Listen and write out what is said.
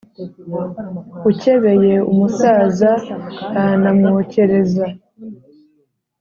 Ucyebeye umusaza arana mwocyereza